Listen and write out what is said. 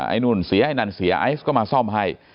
ไอ้นู่นเสียไอ้นั่นเสียไอซ์ก็มาซ่อมให้